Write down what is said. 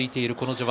序盤